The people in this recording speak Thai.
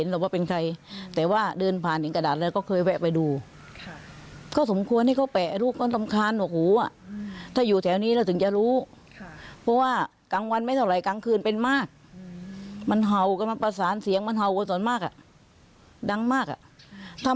เราก็ไม่ได้อากติอะไรเพราะว่าไม่เคยรู้จักไม่เคยเห็นหน้าเขา